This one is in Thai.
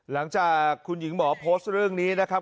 หลังจากคุณหญิงหมอโพสต์เรื่องนี้นะครับ